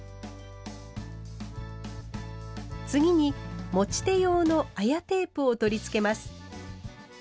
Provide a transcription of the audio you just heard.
次に持ち手用の綾テープを取り付けます。